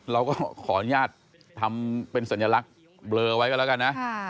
เราก็ขออนุญาตทำเป็นสัญลักษณ์เบลอไว้กันแล้วกันนะ